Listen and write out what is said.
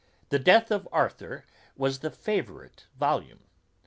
The Death of Arthur was the favourite volume.